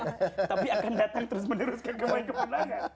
tapi akan datang terus menerus ke kemenangan